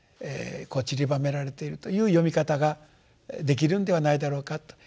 ちりばめられているという読み方ができるんではないだろうかと。